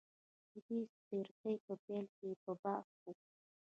د دې څپرکي په پیل کې به بحث وکړو.